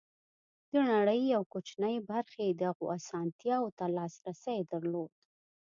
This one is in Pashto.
د نړۍ یوې کوچنۍ برخې دغو اسانتیاوو ته لاسرسی درلود.